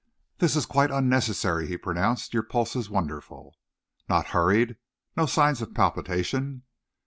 "This is quite unnecessary," he pronounced. "Your pulse is wonderful." "Not hurried? No signs of palpitation?"